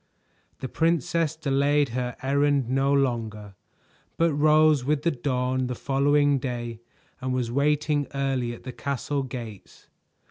The princess delayed her errand no longer, but rose with the dawn the following day and was waiting early at the castle gates.